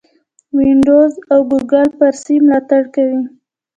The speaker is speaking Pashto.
وینډوز او ګوګل فارسي ملاتړ کوي.